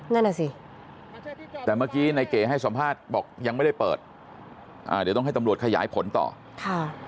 นั่นน่ะสิแต่เมื่อกี้ในเก๋ให้สัมภาษณ์บอกยังไม่ได้เปิดอ่าเดี๋ยวต้องให้ตำรวจขยายผลต่อค่ะ